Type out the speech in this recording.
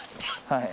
はい。